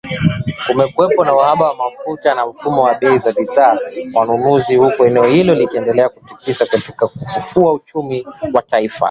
Kumekuwepo na uhaba wa mafuta na mfumuko wa bei za bidhaa kwa wanunuzi, huku eneo hilo likiendelea kutikiswa katika kufufua uchumi wa taifa